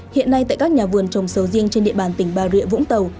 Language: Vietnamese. hiện nay tại các nhà vườn trồng sầu riêng trên địa bàn tỉnh bà rịa vũng tàu